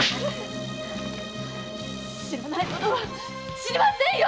知らないものは知りませんよ‼